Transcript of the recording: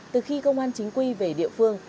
từ khi công an chính quy về địa phương